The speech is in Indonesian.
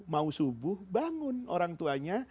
mau subuh bangun orang tuanya